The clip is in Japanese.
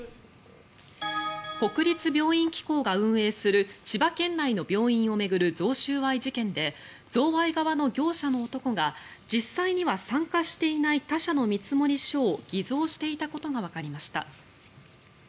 国立病院機構が運営する千葉県内の病院を巡る贈収賄事件で贈賄側の業者の男が実際には参加していない他者の見積書を偽造していたことがわかりました。